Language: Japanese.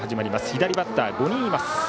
左バッターは５人います。